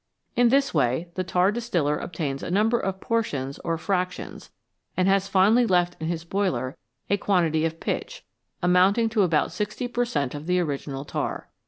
In this way the tar distiller obtains a number of portions or " fractions, 1 ' and has finally left in his boiler a quantity of pitch, amounting to about 60 per cent, of the original tar.